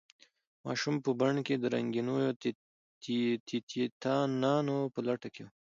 ماشوم په بڼ کې د رنګینو تیتانانو په لټه کې و.